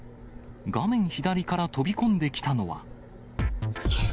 画面左から飛び込んできたのは。